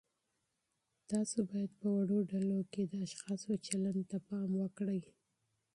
تاسو باید په وړو ډلو کې د اشخاصو چلند ته پام وکړئ.